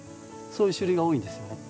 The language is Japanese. そういう種類が多いんですよね。